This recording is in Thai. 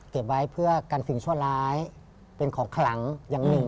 ไว้เพื่อกันสิ่งชั่วร้ายเป็นของขลังอย่างหนึ่ง